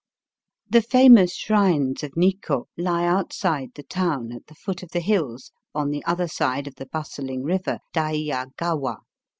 The famous shrines of Nikko lie outside the town, at the foot of the hills on the other side of the bustling river Daiyd Gawa.